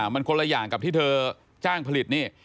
มันคนละอย่างกับที่เธอจ้างผลิตนี่